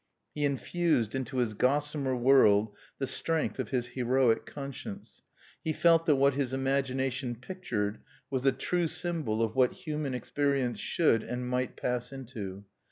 He infused into his gossamer world the strength of his heroic conscience. He felt that what his imagination pictured was a true symbol of what human experience should and might pass into.